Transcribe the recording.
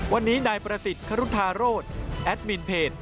วันนี้นายประสิทธิ์ครุธาโรธแอดมินเพจ